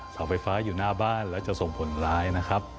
เสาไฟฟ้าอยู่หน้าบ้านแล้วจะส่งผลร้ายนะครับ